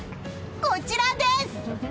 こちらです！